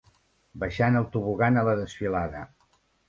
Baixant el tobogan a la desfilada.